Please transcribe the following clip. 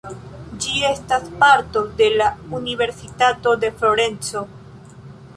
Ĝi estas parto de la Universitato de Florenco.